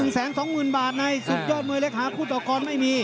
๑๒๐๐๐บาทในสุดยอดมวยเล็กหาคู่ต่อกรไม่มี